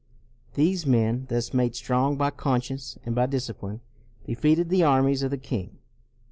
These men, thus made strong by con science and by discipline, defeated the armies of the king.